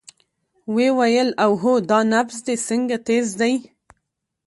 ويې ويل اوهو دا نبض دې څنګه تېز دى.